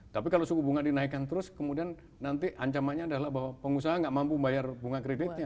tapi kalau suku bunga dinaikkan terus kemudian nanti ancamannya adalah bahwa pengusaha nggak mampu membayar bunga kreditnya